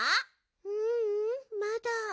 ううんまだ。